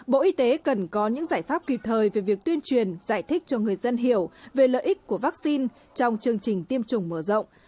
bộ y tế cần có những giải pháp kịp thời về việc tuyên truyền giải thích cho người dân hiểu về lợi ích của vaccine trong chương trình tiêm chủng mở rộng